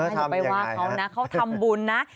อย่าไปว่าเขานะเขาทำบุญนะ